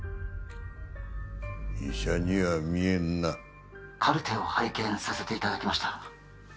医者には見えんなカルテを拝見させていただきました